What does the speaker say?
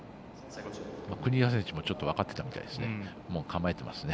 国枝選手も分かってたみたいですね。